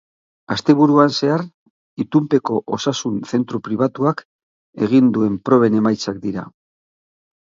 Asteburuan zehar itunpeko osasun zentro pribatuak egin duen proben emaitzak dira.